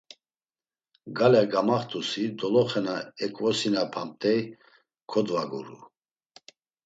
Gale gamaxt̆usi, doloxe na eǩvosinapamt̆ey kodvaguru.